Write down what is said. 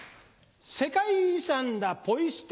世界遺産だポイ捨て